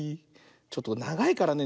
ちょっとながいからね